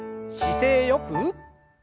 姿勢よく。